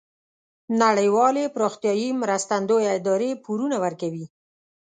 نړیوالې پراختیایې مرستندویه ادارې پورونه ورکوي.